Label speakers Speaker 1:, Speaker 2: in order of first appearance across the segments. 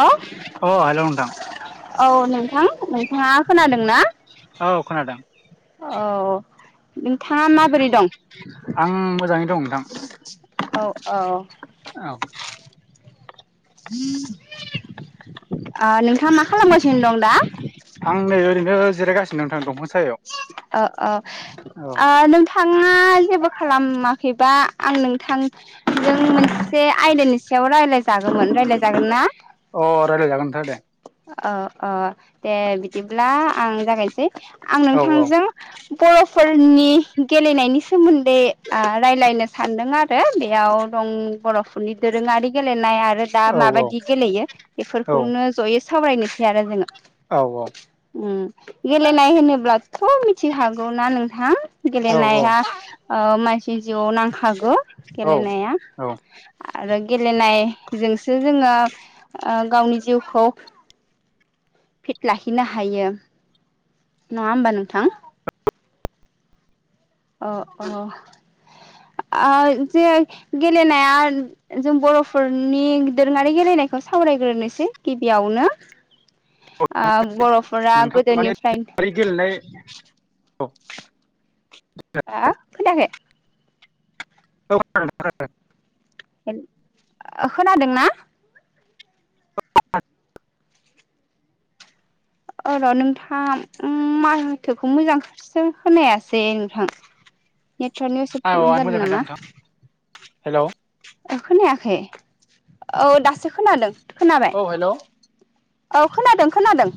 Speaker 1: औ
Speaker 2: अ हेल' नोंथां
Speaker 1: औ नोंथां नोंथाङा खोनादों ना?
Speaker 2: औ खोनादों
Speaker 1: अ नोंथाङा माबोरै दं?
Speaker 2: आं मोजाङै दं नोंथां।
Speaker 1: औ औ।
Speaker 2: औ।
Speaker 1: ओ नोंथाङा मा खालामगासिनो दं दा?
Speaker 2: आं नै ओरैनो जिरायगासिनो नोंथां दंफां सायाव।
Speaker 1: औ औ नोंथाङा जेबो खालामाखैबा आं नोंथां जों मोन से आयदानि सायाव रायज्लाय जागौमोन रायज्लायजागोन ना?
Speaker 2: औ अ रायज्लायजागोन नोंथां दे
Speaker 1: औ औ दे बिदिब्ला आं जागायनोसै आं
Speaker 2: औ
Speaker 1: नोंथांजों बर'फोरनि गेलेनायनि सोमोन्दै ओ रायज्लायनो सानदों आरो। बेयाव दं बर'फोरनि दोरोङारि गेलेनाय आरो दा
Speaker 2: औ
Speaker 1: माबायदि गेलेयो
Speaker 2: औ
Speaker 1: बेफोरखौनो जयै सावरायनोसै आरो जोङो
Speaker 2: औ औ।
Speaker 1: उम गेलेनाय होनोब्लाथ' मिथि हागौना नोंथां?
Speaker 2: औ
Speaker 1: गेलेनाया मानसि जिउआव नांखागौ
Speaker 2: औ
Speaker 1: गेलेनाया।
Speaker 2: औ
Speaker 1: आरो गेलेनायजोंसो जोङो गावनि जिउखौ फिट लाखिनो हायो। नङा होमबा नोंथां। अ अ जे गेलेनाया जों बर'फोरनि दोरोङारि गेलेनायखौ सावरायग्रोनोसै गिबियावनो। बर'फोरा
Speaker 2: नोंथां माने
Speaker 1: गोदोनिफ्रायनो
Speaker 2: गेलेनाय औ
Speaker 1: हा खोनायाखै
Speaker 2: औ [inaudible]
Speaker 1: ओ खोनादों ना?
Speaker 2: [inaudible]
Speaker 1: ओ र' नोंथां माहाथोखौ मोजां सो खोनायासै नोंथां नेटवर्कनियाव एसे प्रब्लेम जादों नामा?
Speaker 2: हेलौ
Speaker 1: खोनायाखै औ दासो खोनादों खोनाबाय।
Speaker 2: हेल' औ
Speaker 1: औ खोनादों खोनादों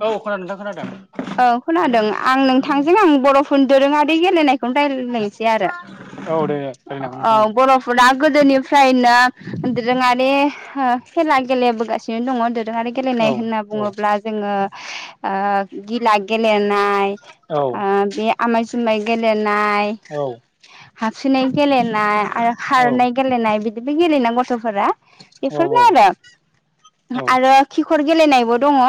Speaker 2: औ खोन नोंथां खोनादों।
Speaker 1: औ खोनादों आं नोंथांजों आं बर'फोर दोरोङारि गेलेनायखौनो रायलाय आरो
Speaker 2: औ दे दे रायलायनो हागोन
Speaker 1: औ
Speaker 2: नोंथां
Speaker 1: बर' फुरा गोदोनिफ्रायनो दोरोङारि हो खेला गेलेबोगासिनो दङ दोरोङारि गेलेनाय
Speaker 2: औ
Speaker 1: होनना
Speaker 2: औ
Speaker 1: बुङोब्ला जोङो ओ गिला गेलेनाय
Speaker 2: औ
Speaker 1: आ बे आमाय जुमाइ गेलेनाय
Speaker 2: औ।
Speaker 1: हाबसिनाय गेलेनाय आरो
Speaker 2: औ
Speaker 1: खारनाय गेलेनाय बिदिबो गेलेेना गथ'फोरा
Speaker 2: औ
Speaker 1: बेफोरनो आरो
Speaker 2: औ
Speaker 1: आरो खिखर गेलेनायबो दङ।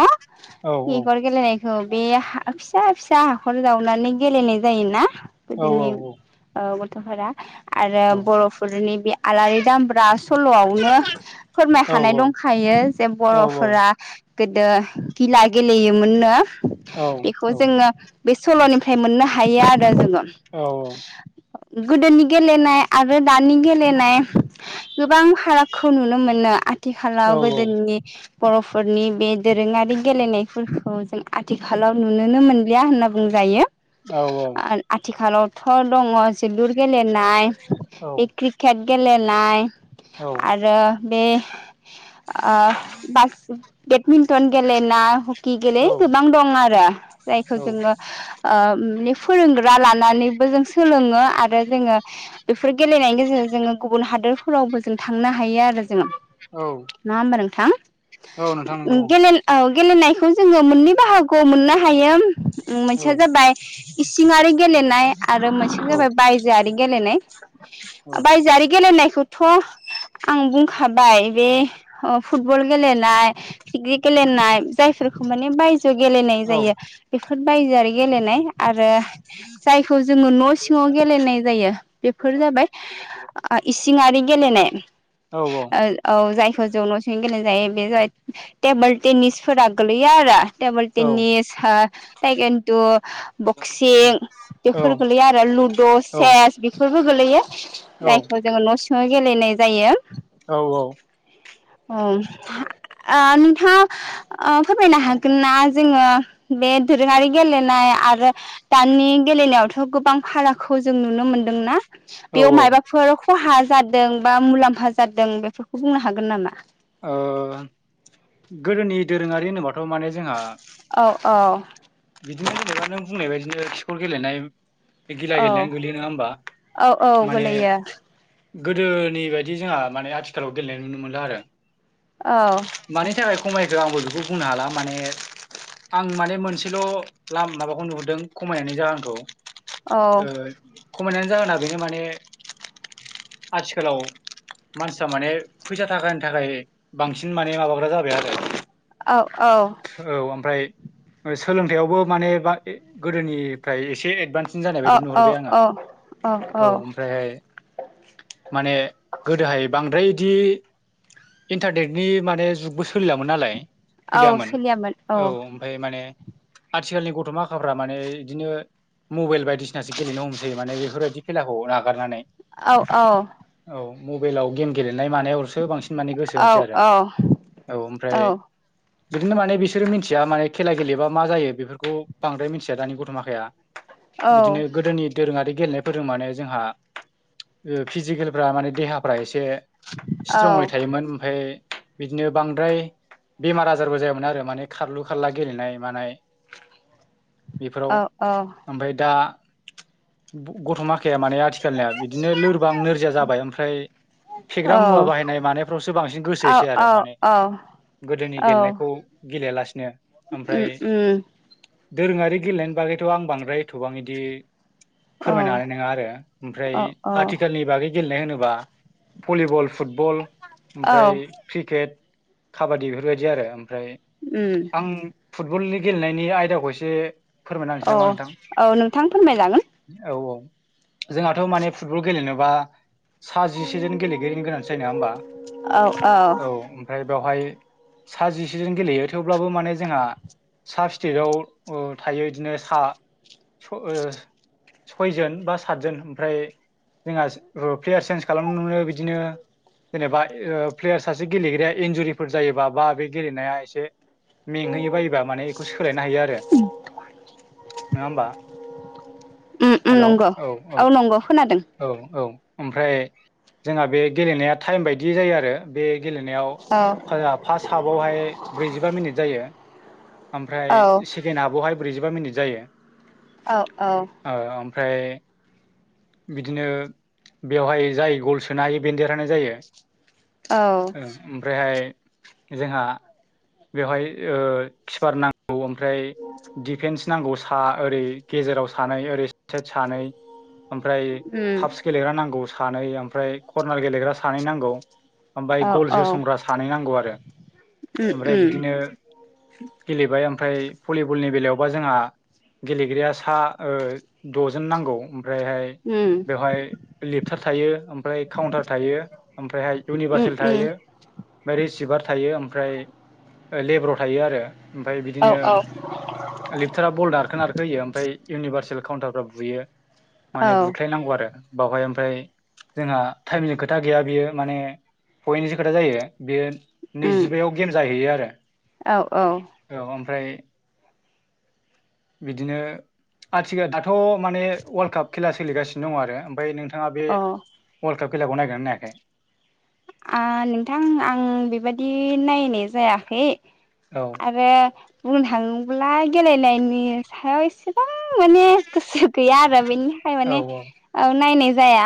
Speaker 2: औ
Speaker 1: खिखर गेलेनाय खौ बे हा फिसा फिसा हाखर जावनानै गेलेनाय जायोना
Speaker 2: औ
Speaker 1: गोदोनि औ गथ'फोरा आरो बर'फोरनि बे आलारि दामब्रा सल्ल'वावनो फोरमाय हानाय दंखायो जे बर'फोरा गोदो गिला गेलेयोमोननो बेखौ
Speaker 2: औ औ
Speaker 1: जोङो बे सल'निफ्राय मोननो हायो आरो जोङो
Speaker 2: औ औ
Speaker 1: गोदोनि गेलेनाय आरो दानि गेलेनाय गोबां फारागखौ नुनो मोनो आ
Speaker 2: औ
Speaker 1: थिखालाव गोदोनि बर'फोरनि बे दोरोङारि गेलेनायफोरखौ जों आथिखालाव नुनोनो मोनलिया होनना बुंजायो।
Speaker 2: औ औ
Speaker 1: आथिखालावथ' दङ जोलुर गेलेनाय
Speaker 2: औ
Speaker 1: बे ख्रि खेट गेलेनाय
Speaker 2: औ
Speaker 1: आरो बे ओ बास बेडमिन्टन गेलेनाय हकि
Speaker 2: औ
Speaker 1: गेले गोबां दं आरो जायखौ
Speaker 2: औ
Speaker 1: जोङो ओ माने फोरोंग्रा लानानैबो जों सोलोङो आरो जोङो बेफोर गेलेनायनि गेजेरजों जोङो गुबुन हादोरफोरावबो जों थांनो हायो आरो जोङो
Speaker 2: औ
Speaker 1: नङा होमबा नोंथां औ
Speaker 2: औ नोंथां नंगौ
Speaker 1: गेलेनायखौ जोङो मोननै गौ मोननो हायो
Speaker 2: औ
Speaker 1: मोनसेया जाबाय इसिङारि गेलेनाय आरो मोनसेया
Speaker 2: औ औ
Speaker 1: जाबाय बायजोआरि गेलेनाय।
Speaker 2: औ
Speaker 1: बायजोआरि गेलेनायखौथ' आं बुंखाबाय बे अ फुटबल गेलेनाय क्रिक गेलेनाय जायफोरखौ माने बायजोआव गेलेनाय
Speaker 2: औ
Speaker 1: जायो। बेफोर बायजोआरि गेलेनाय आरो जायखौ जोङो न' सिङाव गेलेनाय जायो बेफोर जाबाय ओ इसिआरि गेलेनाय
Speaker 2: औ औ
Speaker 1: औ जायखौ जों न'सिङाव गेलेनाय जायो बे जाबाय टेबोल टेनिसफोरा गोलैयो आरो टेबोल टनिस हो थाय खन्थु बक्सिं बेफोर गोलैयो आरो लुड' चेस बेफोरबो गोलैयो।
Speaker 2: औ।
Speaker 1: जायखौ जोङो न' सिङाव गेलेनाय जायो।
Speaker 2: औ औ।
Speaker 1: अ आ नोंथाङा आ फोरमायनो हा ना जोङो बे दोरोङारि गेलेनाय आरो। दानि गेलेनायावथ' गोबां फारागखौ जों नुनो मोनदोंना बेयाव
Speaker 2: औ औ
Speaker 1: मायबाफोर खहा जादों बा मुलाम्फा जादों बेफोरखौ बुंनो हागोन नामा?
Speaker 2: ओ गोदोनि दोरोङारि होनोबाथ' माने जोंहा
Speaker 1: औ औ।
Speaker 2: बिदिनो जेनेबा नों बुंनाय बायदिनो खिखर गेलेनाय बे गिला
Speaker 1: औ
Speaker 2: गेलेनायानो गोलैयो नङा होमबा
Speaker 1: औ औ
Speaker 2: माने
Speaker 1: गोलैयो
Speaker 2: गोदोनि बायदि जोंहा माने आथिखालाव गेलेनाय नुनो मोनला आरो।
Speaker 1: औ।
Speaker 2: मानि थाखाय खमायखो आंबो बेखौ बुंनो हाला माने आं माने मोनसेल' लाम माबाखौ नुहुरदों खमायनायनि जाहोनखौ
Speaker 1: औ
Speaker 2: ओ खमायनायनि जाहोना बेनो माने आथिखालाव मानसिया माने फैसा थाखा थाखाय बांसिन माने माबाग्रा जाबाय आरो।
Speaker 1: औ औ।
Speaker 2: औ ओमफ्राय ओ सोलोंथाइयावबो माने बा गोदोनिफ्राय एसे एडभान्स सिन जानाय
Speaker 1: औ
Speaker 2: बायदि नुहरबाय आङो
Speaker 1: औ
Speaker 2: औ ओमफ्रायहाय माने गोदोहाय बांद्राय इदि इन्टारनेटनि माने जुगबो सोलिलामोन नालाय सोलियामोन औ। ओमफाय माने आथिखालनि गथ' माखाफ्रा माने इदिनो मबेल बायदिसिनासो गेलेनो हमसै माने बेफोर बायदि खेलाखौ नागारनानै।
Speaker 1: औ औ।
Speaker 2: औ मबेलाव गेम गेलेनाय मानायावसो बांसिन माने गो
Speaker 1: औ औ औ।
Speaker 2: बिदिनो माने बिसोरो मिथिया माने खेला गेलेबा मा जायो बेफोरखौ बांद्राय मिथिया दानि गथ' माखाया। बिदिनो गोदोनि दोरोङारि गेलेनायफोरजों माने जोंहा ओ फिजिकेलफ्रा माने देहाफ्रा एसे
Speaker 1: औ
Speaker 2: स्ट्रंङै थायोमोन ओमफाय बिदिनो बांद्राय बेमार आजारबो जायामोन आरो माने खारलु खारला गेलेनाय मानाय बेफोराव ओमफ्राय दा गथ' माखाया माने आथिखालनिया बिदिनो लोरबां नोरजिया जाबाय ओमफ्राय फेग्रा मुवा बाहायनाय मानाय फ्रावसो बांसिन गोसोसै आरो
Speaker 1: औ
Speaker 2: माने गोदोनि
Speaker 1: औ
Speaker 2: गेलेनायखौ गेलेयालासिनो।
Speaker 1: उम
Speaker 2: ओमफ्राय
Speaker 1: उम
Speaker 2: दोरोङारि गेलेनायनि बागैथ' आं बांद्राय एथबां इदि फोरमायनो हानाय
Speaker 1: औ
Speaker 2: नोङा आरो ओमफ्राय
Speaker 1: औ औ
Speaker 2: आथिखालनि बागै गेलेनाय होनोब्ला भलिबल फुटबल
Speaker 1: औ
Speaker 2: ओमफ्राय क्रिकेट काबादि बेफोर बायदि आरो ओमफ्राय
Speaker 1: उम।
Speaker 2: आं फुटबलनि गेलेनायनि आयदाखौ एसे फोरमायना होनोसै
Speaker 1: औ
Speaker 2: नामा नोंथां
Speaker 1: औ नोंथां फोरमाय जागोन।
Speaker 2: औ औ जोंहाथ' माने फुटबल गेलेनोबा सा जिसेजोन गेलेगिरिनि गोनांथि जायो नोङा होमबा?
Speaker 1: औ औ।
Speaker 2: ओमफ्राय बेवहाय सा जिसेजोन गेलेयो थेवब्लाबो माने जोंहा साबस्टेटआव ओ थायो बिदिनो सा स' ओ सयजोन बा सातजोन ओमफ्राय जोंहा रु प्लेयार सेन्ज खालामनो मोनो बिदिनो जेनेबा प्लेयार सासे गेलेग्राया इन्जुरिफोर जायोबा बा बे गेलेनाया एसे मेंहोयो बायोबा माने बेखौ सोलायनो हायो आरो। नङा होमबा?
Speaker 1: नंगौ औ नंगौ खोनादों।
Speaker 2: औ औ ओमफ्राय जोंहा बे गेलेनाया टाइम बायदि जायो आरो। बे गेलेनायाव
Speaker 1: औ
Speaker 2: फा-फार्स्ट हाफआवहाय ब्रैजिबा मिनिट जायो।
Speaker 1: औ
Speaker 2: ओमफ्राय सेकेण्ड हाफआवहाय ब्रैजिबा मिनिट जायो।
Speaker 1: औ औ।
Speaker 2: औ औ ओमफ्राय बिदिनो बेवहाय जाय गल सोनो हायो बेदेरहानाय जायो।
Speaker 1: औ
Speaker 2: ओमफ्रायहाय जोंहा बेवहाय खिपारना औ ओमफ्राय दिफेन्स नांगौ सा ओरै गेजेराव सानै ओरै सानै ओमफ्राय
Speaker 1: उम
Speaker 2: हफ सिखोन गेलेग्रा नांगौ सानै ओमफ्राय कर्नार गेलेग्रा सानै नांगौ। ओमफ्राय
Speaker 1: औ औ
Speaker 2: गलजोसनग्रा सानै नांगौ आरो
Speaker 1: उम
Speaker 2: ओमफ्राय बिदिनो
Speaker 1: उम
Speaker 2: गेलेबाय ओमफ्राय भलिबलनि बेलायावबा जोंहा गेलेग्राया सा द'जोन नांगौ ओमफ्रायहाय
Speaker 1: [inaudible]
Speaker 2: बेवहाय लेपटार थायो ओमफ्राय काउन्टार थायो। ओमफ्रायहाय
Speaker 1: उम
Speaker 2: इउनिभार्सेल थायो।
Speaker 1: उम
Speaker 2: ओमफ्राय रिसिभार थायो ओमफ्राय लेब्र' थायो आरो, ओमफफ्राय
Speaker 1: औ
Speaker 2: बिदिनो लिपटारा बल नारखोनारख होयो ओमफ्राय इउनिभार्सेल काउन्टारफ्रा बुयो
Speaker 1: औ
Speaker 2: माने बुख्लायनांगौ आरो बावहाय ओमफ्राय जोंहा टाइमनि खोथा गैया बियो। माने पयेनिस खोथा जायो बेयो
Speaker 1: उम
Speaker 2: नैजिबयाव गेम जाहैयो आरो।
Speaker 1: औ औ।
Speaker 2: औ ओमफ्राय बिदिनो आथिखाल दाथ' माने वर्ल्ड काप खेला सोलिगासिनो दङ आरो ओमफ्राय नोंथ नोंथाङा बे
Speaker 1: औ
Speaker 2: वर्ल्ड काप खेलाखौ नायगिरनानै नायाखै?
Speaker 1: नोंथां आं बेबायादि नायनाय जायाखै
Speaker 2: औ।
Speaker 1: आरो बुंनो थाङोब्ला गेलेनायनि सायाव एसे गोबां माने गोसो गैया आरो बेनिखाय
Speaker 2: औ
Speaker 1: माने नायनाय जाया।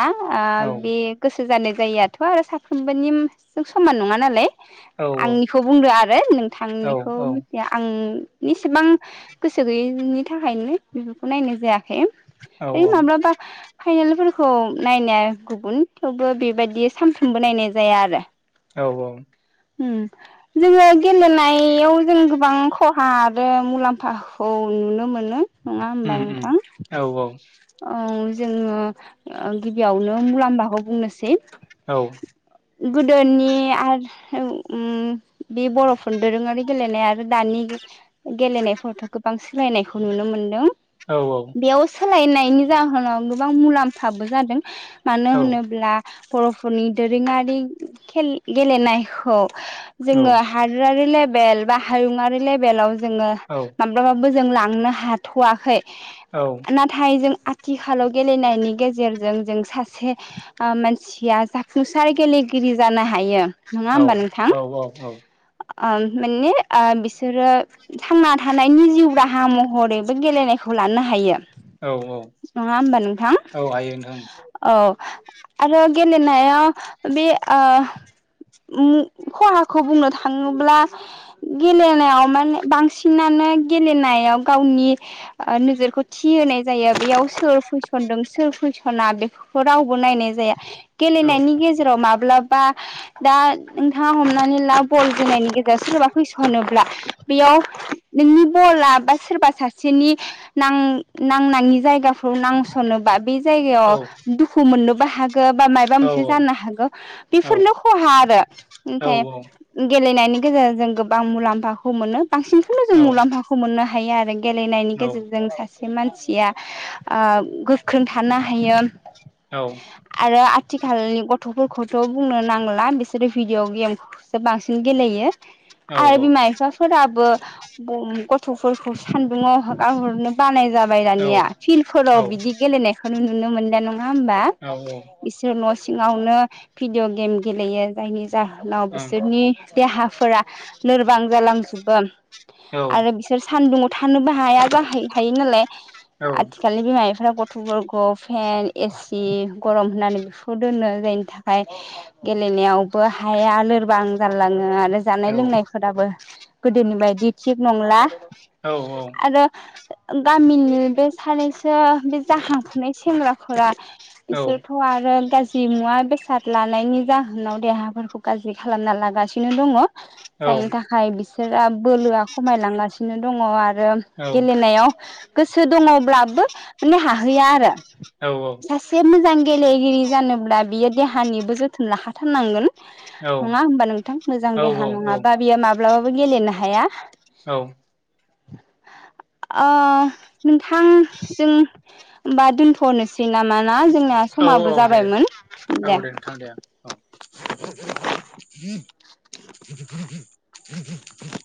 Speaker 2: औ
Speaker 1: बे गोसो जानाय जायआथ' आरो साफ्रोमबोनि समान नङा नालाय।
Speaker 2: औ
Speaker 1: आंनिखौ बुंदो आरो
Speaker 2: औ
Speaker 1: नोंथांनिखौ मिथिया। आं एसेबां गोसो गैयैनि थाखायनो बेफोरखौ नायनाय जायाखै।
Speaker 2: औ
Speaker 1: ओ
Speaker 2: औ
Speaker 1: माब्लाबा फाइनेलफोरखौ नायनाया गुबुन थेवबो बेबायदि सामफ्र सोंबो नायनाय जाया आरो।
Speaker 2: औ औ।
Speaker 1: उम। जोङो गेलेनायाव जों गोबां खहा आरो मुलाम्फाखौ नुनो मोनो। नङा होमबा
Speaker 2: उम उम
Speaker 1: नोंथां?
Speaker 2: औ
Speaker 1: औ जोङो गिबियावनो मुलाम्फाखौ बुंनोसै
Speaker 2: औ।
Speaker 1: गोदोनि आरो बे बर'फोर दोरोङारि गेलेनाया आरो दानि गेलेनायफोरावथ' गोबां सोलायनायखौ नुनो मोनदों।
Speaker 2: औ औ।
Speaker 1: बेयाव सोलायनायनि जाहोनाव गोबां मुलाम्फाबो जादों मानो
Speaker 2: औ
Speaker 1: होनोब्ला बर' नि दोरोङारि गेलेनायखौ जोङो लेभेल बा हायुंङारि लेभेलाव जोङो
Speaker 2: औ
Speaker 1: [unintelligible] जों लांनो हाथ'वाखै।
Speaker 2: औ।
Speaker 1: नाथाय जों आथिखालाव गेलेनायनि गेजेरजों जों सासे मानसिया जाफुंसार गेलेगिरि जानो हायो नङा होमबा नोंथां?
Speaker 2: औ
Speaker 1: अ माने बिसरो थांना थानायनि जिउ राहा महरैबो गेलेनायखौ लानो हायो।
Speaker 2: औ
Speaker 1: नङा होमबा नोंथां
Speaker 2: औ हायो नोंथां
Speaker 1: औ आरो गेलेनो होनाव बे खहाखौ बुंनो थाङोब्ला गेलेनायाव माने बांसिनानो गेलेनायाव गावनि नोजोरखौ थि होनाय जायो बेयाव सोर फैसनदों सोर फैसना बेफोर [unintelligible] रावबो नायनाय जाया।
Speaker 2: औ
Speaker 1: गेलेनायनि गेजेराव माब्लाबा दा नोंथाङा हमनानै ला बल जोनायनि गेजेराव सोरबा फैसनोब्ला बेयाव नोंनि बला बा सोरबा सासेनि नां- नांनाङि जायगाफोराव नांसनोबा बे
Speaker 2: औ
Speaker 1: जायगायाव दुखु मोननोबो हागो बा [unintelligible] माबख
Speaker 2: औ
Speaker 1: मोनसे जानो हागौ
Speaker 2: औ
Speaker 1: बेफोरनो खहा आरो
Speaker 2: औ
Speaker 1: ओमफ्राय गेलेनायनि गेजेरजों जों गोबां मुलाम्फाखौ मोनो। बांसिनखौनो जों
Speaker 2: औ
Speaker 1: मुलाम्फाखौ मोननो हायो आरो। गेलेनायनि गेजेरजों सासे मानसिया ओ गोख्रों थानो हायो।
Speaker 2: औ।
Speaker 1: आरो आथिखालनि गथ'फोरखौथ' बुंनो नांला बिसोरो भिडिअ' गेमखौसो बांसिन गेलेयो। आरो बिमा- बिफाफोराबो गथ'फोरखौ सान्दुङाव हगारहरनो बानाय जाबाय दानिया। फिल्डफोराव बिदि गेलेनायखौनो नुनो मोनला नङा होमबा?
Speaker 2: औ -औ।
Speaker 1: बिसोर न' सिङावनो भिडिअ' गेम गेलेयो। जायनि जाहोनाव बिसोरनि देहाफोरा लोरबां जालांजोबो आरो [unintelligible] बिसोर सान्दुुंआव थानोबो हाया जाहै हायो नालाय
Speaker 2: औ
Speaker 1: [unintelligible] आथिखालनि बिमा -बिफ्रा गथ'फोरखौ फेन, एसि गरम होननानै बिखौ दोननो जायनि थाखाय गेलेनायावबो हाया लोरबां जाारलाङो आरो जानाय-
Speaker 2: औ औ
Speaker 1: लोंनायफोराबो गोदोनि बायदि थिग नंला।
Speaker 2: औ औ।
Speaker 1: आरो गामिनि बे सानैसो बे जाहांफुनाय सेंग्राफोरा
Speaker 2: औ
Speaker 1: बिसोरखौ आरो गाज्रि मुवा बेसाद लानायनि जाहोनाव देहाफोरखौ गाज्रि खालामना लागासिनो दङ। जायनि थाखाय बिसोरो बोलोआ खमायलांगासिनो दङ आरो
Speaker 2: औ
Speaker 1: गेलेनायाव गोसो दङब्लाबो माने हाहैया आरो।
Speaker 2: औ औ।
Speaker 1: सासे मोजां गेलेगिरि जानोब्ला बियो देहानिबो जोथोन लाखाथारनांगोन। नङा
Speaker 2: औ
Speaker 1: होमबा नोंथां? मोजां देहा नङाबा बियो माब्लाबाबो गेलेनो हाया।
Speaker 2: औ।
Speaker 1: ओ नोंथां जों होनबा दोनथ' [unintelligible] नामा ना जोंनाया
Speaker 2: औ
Speaker 1: समाबो
Speaker 2: औ दे
Speaker 1: जाबायमोन
Speaker 2: औ दे नोंथां दे औ। [unintelligible]